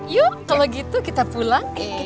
yuk kalau gitu kita pulang